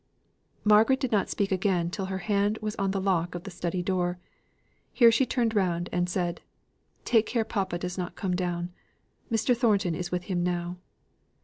Margaret did not speak again till her hand was on the lock of the study door. Here she turned round and said, "Take care papa does not come down. Mr. Thornton is with him now."